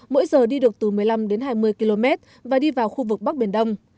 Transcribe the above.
mỗi giờ đi được từ một mươi năm đến hai mươi km và đi vào khu vực bắc biển đông